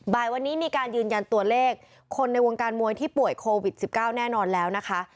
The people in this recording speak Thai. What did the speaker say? บ่ายวันนี้มีการยืนยันตัวเลขคนในวงการมวยที่ป่วยโควิด๑๙แน่นอนแล้วนะคะ